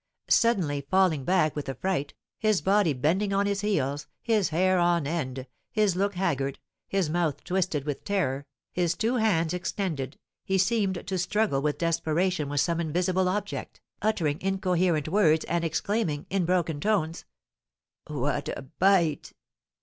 Suddenly falling back with affright, his body bending on his heels, his hair on end, his look haggard, his mouth twisted with terror, his two hands extended, he seemed to struggle with desperation with some invisible object, uttering incoherent words, and exclaiming, in broken tones, "What a bite!